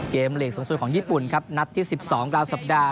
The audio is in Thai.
เกมเหลกสองศูนย์ของญี่ปุ่นครับนัดที่สิบสองกลางสัปดาห์